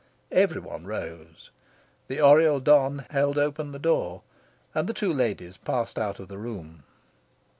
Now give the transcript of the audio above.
Every one rose. The Oriel don held open the door, and the two ladies passed out of the room.